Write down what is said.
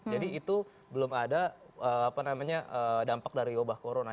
jadi itu belum ada dampak dari obat corona